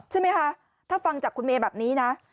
ใช่ไหมคะถ้าฟังจากคุณเมย์แบบนี้นะ